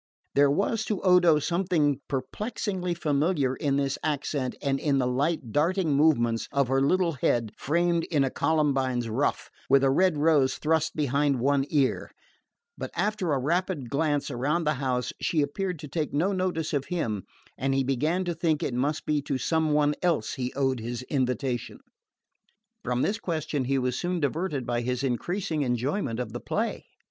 There was to Odo something perplexingly familiar in this accent and in the light darting movements of her little head framed in a Columbine's ruff, with a red rose thrust behind one ear; but after a rapid glance about the house she appeared to take no notice of him and he began to think it must be to some one else he owed his invitation. From this question he was soon diverted by his increasing enjoyment of the play.